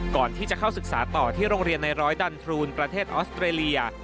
ก่อนที่จะเข้าศึกษาต่อที่โรงเรียนในร้อยดันทรูนประเทศออสเตรเลีย